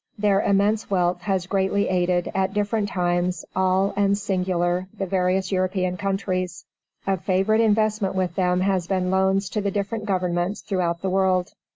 Their immense wealth has greatly aided, at different times, all and singular, the various European countries. A favorite investment with them has been loans to the different Governments throughout the world.